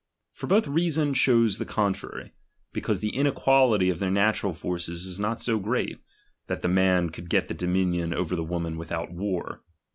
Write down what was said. For both reason shows the contrary ; because the inequality of their natural forces is not so great, that the man could get the dominion over the woman without war.